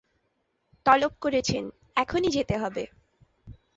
তামিল চলচ্চিত্র জগতে ষাটের দশকে কাঞ্চনা ভালোই পরিচিত ছিলেন।